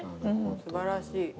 素晴らしい。